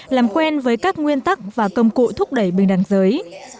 làm quen với các nguyên tắc và công cụ thúc đẩy bình đẳng giới